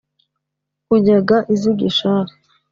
unyaga iz'i gishari,